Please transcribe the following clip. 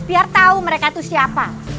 biar tahu mereka itu siapa